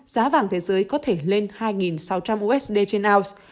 giá vàng thế giới có thể lên hai sáu trăm linh usd trên ounce